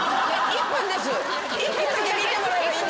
１分だけ見てもらえればいいんですよ。